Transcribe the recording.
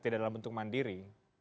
tidak dalam bentuk mandiri